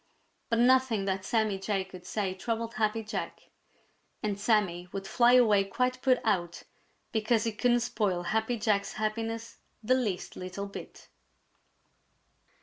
But nothing that Sammy Jay could say troubled Happy Jack; and Sammy would fly away quite put out because he couldn't spoil Happy Jack's happiness the least little bit.